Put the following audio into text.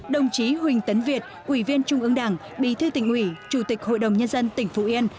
đồng chí huỳnh tấn việt ủy viên trung ương đảng bí thư tỉnh ủy chủ tịch hội đồng nhân dân tỉnh phú yên